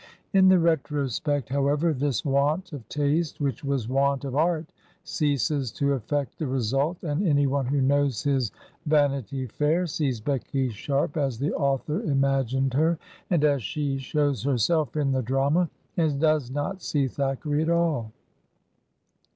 In the retrospect, however, this want of taste, which was want of art, ceases to affect the result, and any one who knows his " Vanity Fair" sees Becky Sharp as the author imagined her, and as she shows herself in the drama, and does not see Thackeray at all.